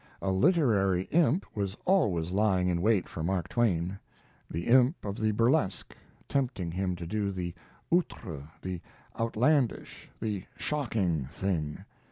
A literary imp was always lying in wait for Mark Twain; the imp of the burlesque, tempting him to do the 'outre', the outlandish, the shocking thing.